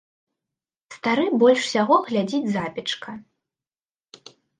Стары больш усяго глядзіць запечка.